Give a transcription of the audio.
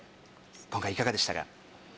今回いかがでしたか？